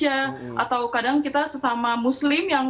untuk menjaga diri mereka